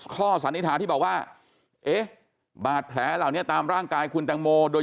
ข้อสันนิษฐาที่บอกว่าบาดแผลหลังนี้ตามร่างกายคุณแตงโมโดย